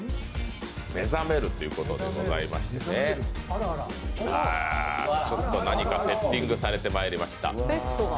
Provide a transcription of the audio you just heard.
目覚めるということでございまして、ちょっと何かセッティングされてまいりました。